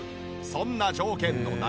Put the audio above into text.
そんな条件の中